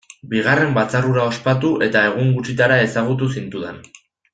Bigarren batzar hura ospatu, eta egun gutxitara ezagutu zintudan.